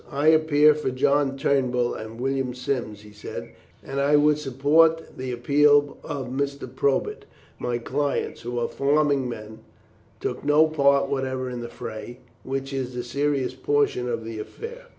"I appear for John Turnbull and William Sims," he said, "and I would support the appeal of Mr. Probert. My clients, who are farming men, took no part whatever in the fray, which is the serious portion of the affair.